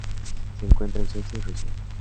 Se encuentra en Suecia y Rusia.